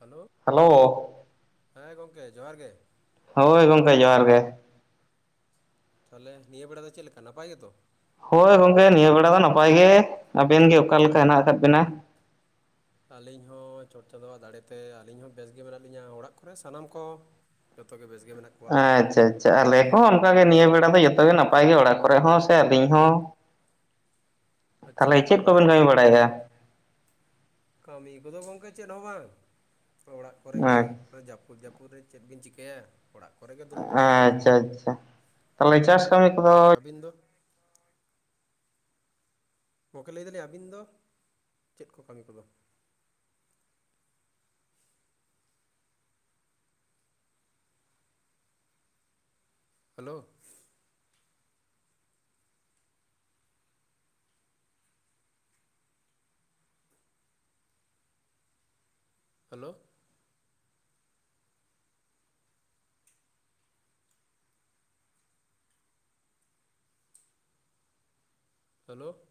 Hello. Hello. ᱦᱮᱸ ᱜᱚᱝᱠᱮ, ᱡᱚᱦᱟᱨ ᱜᱮ᱾ ᱦᱳᱭ ᱜᱚᱝᱠᱮ, ᱡᱚᱦᱟᱨ ᱜᱮ᱾ ᱛᱟᱦᱞᱮ ᱱᱤᱭᱟᱹ ᱵᱮᱲᱟ ᱫᱚ ᱪᱮᱫ ᱞᱮᱠᱟ ᱱᱟᱯᱟᱭ ᱜᱮᱛᱚ? ᱦᱳᱭ ᱜᱚᱝᱠᱮ ᱱᱤᱭᱟᱹ ᱵᱮᱲᱟ ᱫᱚ ᱱᱟᱯᱟᱭ ᱜᱮ᱾ ᱟᱵᱮᱱ ᱜᱮ ᱚᱠᱟ ᱞᱮᱠᱟ ᱦᱮᱱᱟᱜ ᱟᱠᱟᱫ ᱵᱮᱱᱟ? ᱟᱹᱞᱤᱧ ᱦᱚᱸ ᱪᱚᱴ ᱪᱟᱸᱫᱳᱣᱟᱜ ᱫᱟᱲᱮ ᱛᱮ ᱟᱹᱞᱤᱧ ᱦᱚᱸ ᱵᱮᱥ ᱜᱮ ᱢᱮᱱᱟᱜ ᱞᱤᱧᱟ, ᱚᱲᱟᱜ ᱠᱚᱨᱮ ᱥᱟᱱᱟᱢ ᱠᱚ ᱡᱷᱚᱛᱚ ᱜᱮ ᱵᱮᱥ ᱜᱮ ᱢᱮᱱᱟᱜ ᱠᱚᱣᱟ ᱟᱪᱪᱷᱟ ᱟᱪᱪᱷᱟ ᱟᱞᱮ ᱠᱚᱦᱚᱸ ᱚᱱᱠᱟ ᱜᱮ, ᱱᱤᱭᱟᱹ ᱵᱮᱲᱟ ᱫᱚ ᱡᱚᱛᱚ ᱜᱮ ᱱᱟᱯᱟᱭ ᱜᱮ ᱚᱲᱟᱜ ᱠᱚᱨᱮ ᱦᱚᱸ ᱥᱮ ᱟᱹᱞᱤᱧ ᱦᱚᱸ᱾ ᱟᱪᱪᱷᱟ ᱛᱟᱦᱞᱮ ᱱᱟᱯᱟᱭ ᱪᱮᱫ ᱠᱚ ᱵᱟᱲᱟ ᱵᱮᱱ ᱜᱮᱛᱚ ᱠᱟᱹᱢᱤ ᱵᱟᱲᱟᱭᱮᱫᱟ? ᱠᱟᱹᱢᱤ ᱠᱚᱫᱚ ᱜᱚᱝᱠᱮ ᱪᱮᱫ ᱦᱚᱸ ᱵᱟᱝ, ᱚᱲᱟᱜ ᱠᱚᱨᱮ ᱜᱮ᱾ ᱟᱪᱪᱷᱟ ᱡᱟᱹᱯᱩᱫ ᱡᱟᱹᱯᱩᱫ ᱨᱮ ᱪᱮᱫ ᱵᱤᱱ ᱪᱤᱠᱟᱹᱭᱟ? ᱚᱲᱟᱜ ᱠᱚᱨᱮ ᱜᱮ ᱫᱩᱲᱩᱵ ᱵᱟᱲᱟ ᱦᱩᱭ ᱟᱠᱟᱱᱟ, ᱟᱪᱪᱷᱟ ᱛᱟᱦᱚᱞᱮ ᱪᱟᱥ ᱠᱟᱹᱢᱤ ᱠᱚᱫᱚ ᱟᱹᱵᱤᱱ ᱫᱚ? ᱜᱚᱝᱠᱮ ᱞᱟᱹᱭ ᱫᱟᱞᱤᱧ ᱟᱹᱵᱤᱱ ᱫᱚ ᱪᱮᱫ ᱠᱚ ᱠᱟᱹᱢᱤ ᱠᱚᱫᱚ? ᱦᱮᱞᱳ? ᱦᱮᱞᱳ? ᱦᱮᱞᱳ,